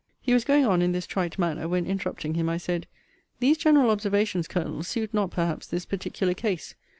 He was going on in this trite manner; when, interrupting him, I said, These general observations, Colonel, suit not perhaps this particular case.